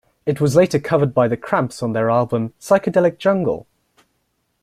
It was later covered by The Cramps on their album "Psychedelic Jungle".